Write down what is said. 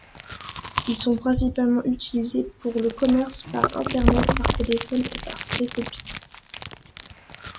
Ils sont principalement utilisés pour le commerce par Internet, par téléphone et par télécopie.